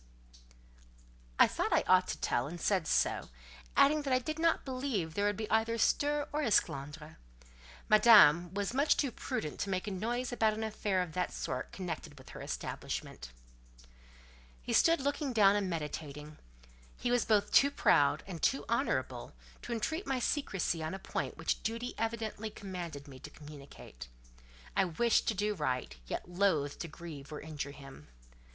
I thought I ought to tell, and said so; adding that I did not believe there would be either stir or esclandre: Madame was much too prudent to make a noise about an affair of that sort connected with her establishment. He stood looking down and meditating. He was both too proud and too honourable to entreat my secresy on a point which duty evidently commanded me to communicate. I wished to do right, yet loathed to grieve or injure him.